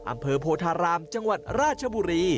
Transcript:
อำเภอโพธารามจังหวัดราชบุรี